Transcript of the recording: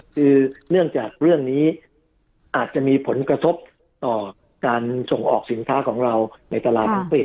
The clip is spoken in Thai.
คือเนื่องจากเรื่องนี้อาจจะมีผลกระทบต่อการส่งออกสินค้าของเราในตลาดอังกฤษ